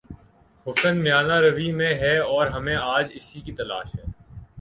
حسن میانہ روی میں ہے اور ہمیں آج اسی کی تلاش ہے۔